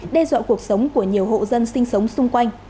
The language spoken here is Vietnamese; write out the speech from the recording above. đe dọa cuộc sống của nhiều hộ dân sinh sống xung quanh